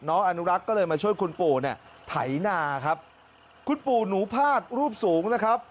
อนุรักษ์ก็เลยมาช่วยคุณปู่เนี่ยไถนาครับคุณปู่หนูพาดรูปสูงนะครับ